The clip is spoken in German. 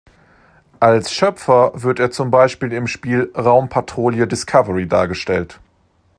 Als Schöpfer wird er zum Beispiel im Spiel „Raumpatrouille Discovery“ dargestellt.